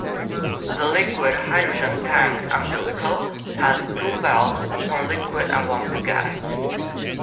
The liquid hydrogen tank umbilical has two valves for liquid and one for gas.